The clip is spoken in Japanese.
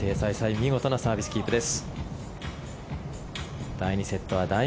見事なサービスキープです。